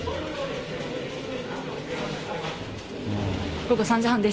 午後３時半です。